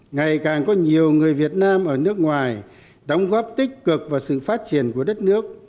ngày càng có nhiều người việt nam ở nước ngoài đóng góp tích cực vào sự phát triển của đất nước